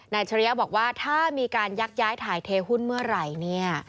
นายเฉลี่ยบอกว่าถ้ามีการยักษ์ย้ายถ่ายเทหุ้นเมื่อไหร่